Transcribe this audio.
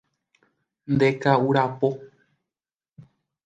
Ndeka'urapo